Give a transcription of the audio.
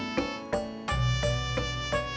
tidak ada yang bisa diberikan